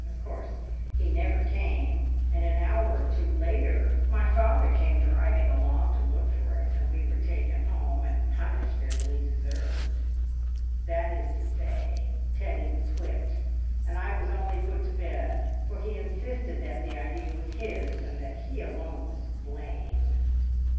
Of course he never came, and an hour or two later, my father came driving along to look for us, and we were taken home, and punished as we deserved. That is to say, Teddy was whipped, and I was only put to bed, for he insisted that the idea was his, and that he alone was to blame."